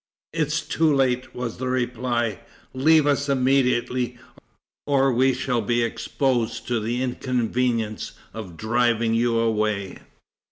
"It is too late," was the reply. "Leave us immediately, or we shall be exposed to the inconvenience of driving you away."